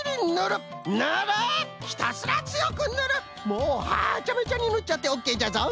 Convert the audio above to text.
もうハチャメチャにぬっちゃってオッケーじゃぞ。